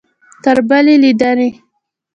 تر بلې لیدنې؟